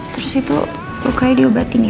terus itu rukanya diubatin ya